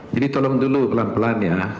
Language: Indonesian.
jadi tolong dulu pelan pelan ya